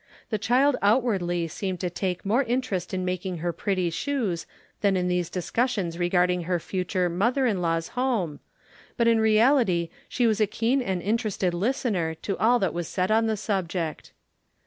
The child outwardly seemed to take more interest in making her pretty shoes than in these discussions regarding her future "Mother in law's home," but in reality she was a keen and interested listener to all that was said on the subject.